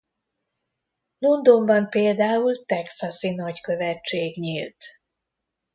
Londonban például texasi nagykövetség nyílt.